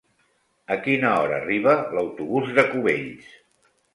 A quina hora arriba l'autobús de Cubells?